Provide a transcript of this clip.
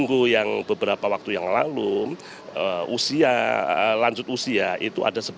kalau sudah lunas tunggu beberapa waktu yang lalu usia lanjut usia itu ada sebelas tiga ratus an